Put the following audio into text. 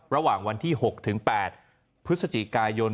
ระหว่างวันที่๖๘พฤศจิกายน